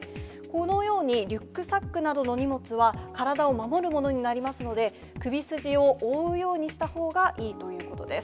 このように、リュックサックなどの荷物は、体を守るものになりますので、首筋を覆うようにしたほうがいいということです。